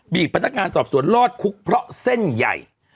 พนักงานสอบสวนรอดคุกเพราะเส้นใหญ่